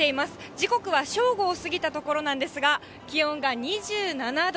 時刻は正午を過ぎたところなんですが、気温が２７度。